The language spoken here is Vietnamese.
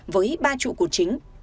hai với ba trụ của chính